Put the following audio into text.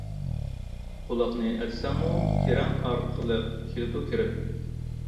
قۇلاقنى ئەتسەڭمۇ تېرەڭ ئارقىلىق كېلىدۇ كىرىپ.